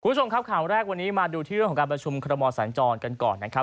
คุณผู้ชมครับข่าวแรกวันนี้มาดูที่เรื่องของการประชุมคอรมอสัญจรกันก่อนนะครับ